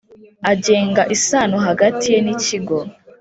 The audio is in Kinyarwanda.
Agenga isano hagati ye n ikigo